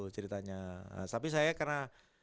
ceritanya tapi saya karena